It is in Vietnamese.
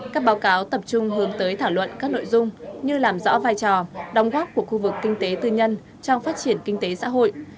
các báo cáo tập trung hướng tới thảo luận các nội dung như làm rõ vai trò đồng góp của khu vực kinh tế tư nhân trong phát triển kinh tế xã hội